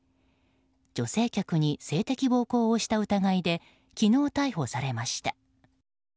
女性客に性的暴行をした疑いで昨日、逮捕されました。